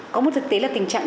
có một thực tế là tình trạng